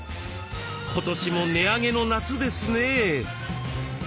今年も値上げの夏ですね。